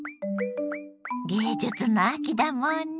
芸術の秋だもんね。